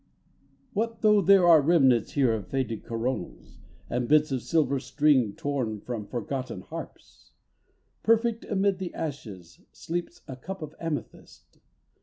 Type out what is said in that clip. What though there are remnants here Of faded coronals, And bits of silver string Torn from forgotten harps? Perfect amid the ashes sleeps a cup of amethyst.